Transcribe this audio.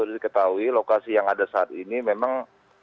diketahui lokasi yang ada saat ini memang